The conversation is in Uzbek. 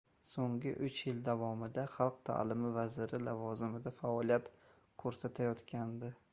So‘nggi uch yil davomida xalq ta'limi vaziri lavozimida faoliyat ko‘rsatayotgandi.